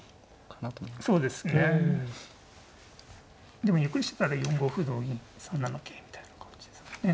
でもゆっくりしてたら４五歩同銀３七桂みたいな感じですかね。